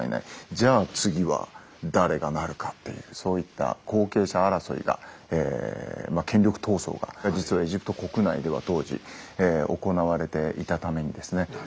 じゃあ次は誰がなるかっていうそういった後継者争いが権力闘争が実はエジプト国内では当時行われていたためにですね